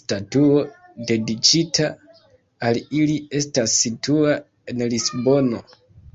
Statuo dediĉita al ili estas situa en Lisbono.